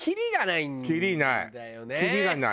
きりがない。